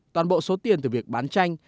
toàn bộ số tiền từ việc bán tranh